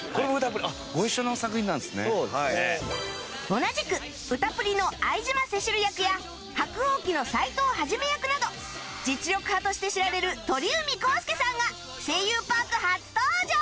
同じく『うた☆プリ』の愛島セシル役や『薄桜鬼』の斎藤一役など実力派として知られる鳥海浩輔さんが『声優パーク』初登場！